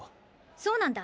そうなんだ。